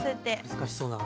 難しそうだな。